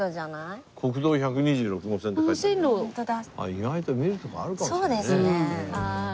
意外と見るとこあるかもしれないね。